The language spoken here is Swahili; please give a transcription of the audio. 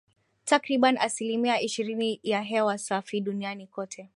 Takribani asilimia ishirini ya hewa safi duniani kote